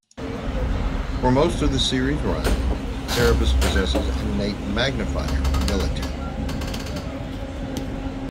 For most of the series' run, Cerebus possesses an innate "magnifier" ability.